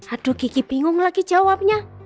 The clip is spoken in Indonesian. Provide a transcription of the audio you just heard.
aduh gigi bingung lagi jawabnya